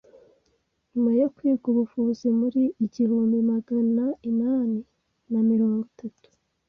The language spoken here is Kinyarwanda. Nyuma yo kwiga ubuvuzi muri ihihumbi maganinani na mirongo itatu